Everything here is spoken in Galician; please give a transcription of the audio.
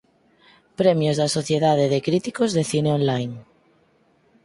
Premios da Sociedade de Críticos de Cine Online.